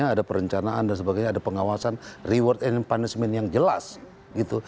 ada perencanaan dan sebagainya ada pengawasan reward and punishment yang jelas gitu